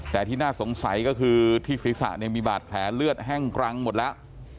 แต่ที่น่าสงสัยก็คือที่ศีรษะมีบาดแผลเลือดแห้งกรังหมดแล้ว